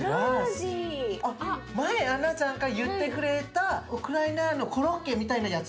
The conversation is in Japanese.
前アンナちゃんが言ってくれたウクライナのコロッケみたいなやつ？